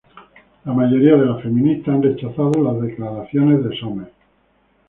La mayoría de las feministas han rechazado las declaraciones de Sommers.